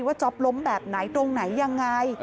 จ๊อปล้มแบบไหนตรงไหนยังไง